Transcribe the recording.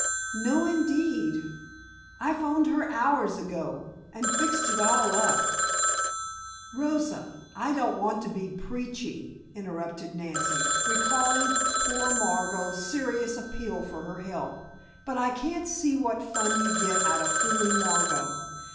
"No, indeed. I phoned her hours ago and fixed it all up " "Rosa, I don't want to be preachy," interrupted Nancy, recalling poor Margot's serious appeal for her help, "but I can't see what fun you get out of fooling Margot.